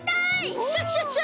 クシャシャシャ！